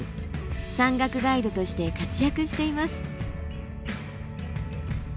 山岳ガイドとして活躍しています。